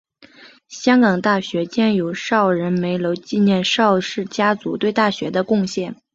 香港大学建有邵仁枚楼纪念邵氏家族对大学的捐献。